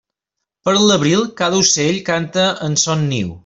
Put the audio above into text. Per l'abril, cada ocell canta en son niu.